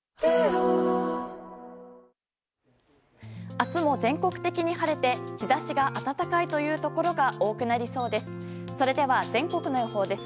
明日も全国的に晴れて日差しが暖かいというところが多くなりそうです。